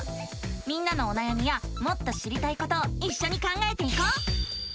みんなのおなやみやもっと知りたいことをいっしょに考えていこう！